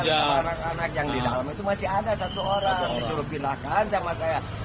anak anak yang di dalam itu masih ada satu orang disuruh bilahkan sama saya